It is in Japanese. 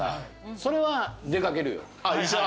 それは出掛けるよ。